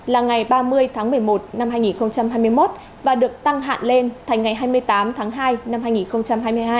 là ngày ba mươi tháng một mươi một năm hai nghìn hai mươi một và được tăng hạn lên thành ngày hai mươi tám tháng hai năm hai nghìn hai mươi hai